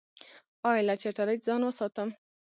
ایا له چټلۍ ځان وساتم؟